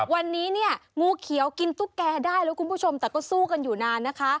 วันนี้เนี่ยงูเขียวกินตุ๊กแกได้แล้วคุณผู้ชมแต่ก็สู้กันอยู่นานนะคะ